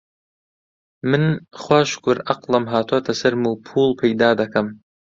من خوا شوکور عەقڵم هاتۆتە سەرم و پووڵ پەیدا دەکەم